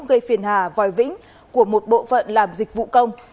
gây phiền hà vòi vĩnh của một bộ phận làm dịch vụ công